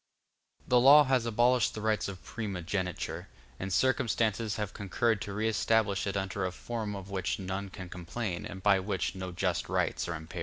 The law has abolished the rights of primogeniture, but circumstances have concurred to re establish it under a form of which none can complain, and by which no just rights are impaired.